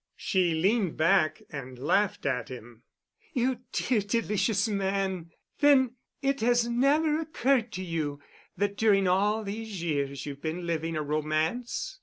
She leaned back and laughed at him. "You dear, delicious man. Then it has never occurred to you that during all these years you've been living a romance?"